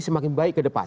semakin baik ke depan